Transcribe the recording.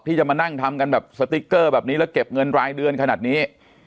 ที่จะมานั่งทำกันแบบสติ๊กเกอร์แบบนี้แล้วเก็บเงินรายเดือนขนาดนี้